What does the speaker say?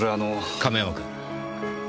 亀山君。